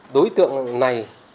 đối tượng này